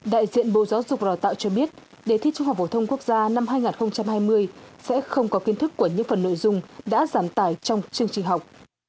đại diện bộ giáo dục đào tạo cho biết đề thi trung học phổ thông quốc gia năm hai nghìn hai mươi sẽ không có kiến thức của những phần nội dung đã giảm tải trong chương trình học